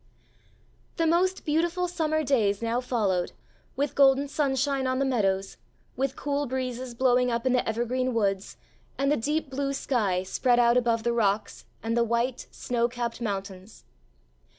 The most beautiful Summer days now followed, with golden sunshine on the meadows, with cool breezes blowing up in the evergreen woods, and the deep blue sky, spread out above the rocks and the white, snow capped mountains.